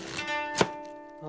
あ。